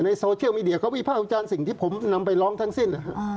โซเชียลมีเดียเขาวิภาควิจารณ์สิ่งที่ผมนำไปร้องทั้งสิ้น